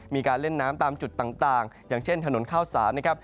มีการเล่นน้ำตามจุดต่างอย่างเช่นถนนข้าวสารนะครับ